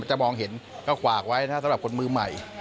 จะมองเห็นก็ขวากไว้นะสำหรับคนมือใหม่